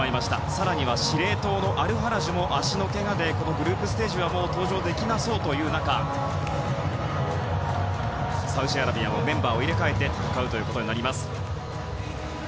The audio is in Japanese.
更には司令塔のアルファラジュも足のけがでグループステージは登場できなさそうという中サウジアラビアはメンバーを入れ替えて向かうことになります。